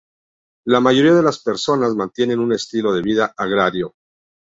La mayoría de las personas mantienen un estilo de vida agrario.